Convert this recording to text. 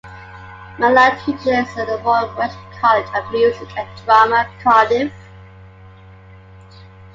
Mylan teaches at the Royal Welsh College of Music and Drama, Cardiff.